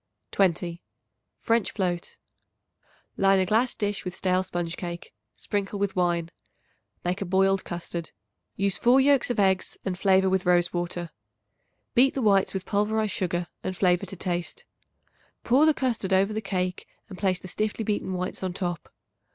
20. French Float. Line a glass dish with stale sponge cake. Sprinkle with wine. Make a boiled custard. Use 4 yolks of eggs and flavor with rose water. Beat the whites with pulverized sugar and flavor to taste. Pour the custard over the cake and place the stiffly beaten whites on top.